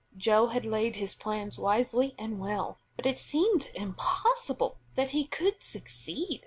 Joe had laid his plans wisely and well, but it seemed impossible that he could succeed.